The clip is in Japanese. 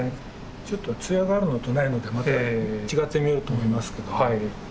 ちょっと艶があるのとないのでまた違って見えると思いますけど。